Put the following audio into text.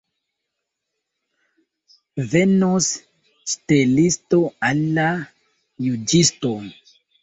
Venos ŝtelisto al la juĝisto.